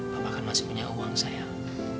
bapak kan masih punya uang sayang